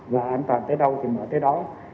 và an toàn tới đâu thì mở tới đó